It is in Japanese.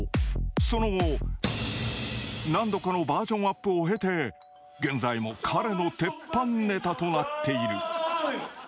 その後何度かのバージョンアップを経て現在も彼の鉄板ネタとなっている。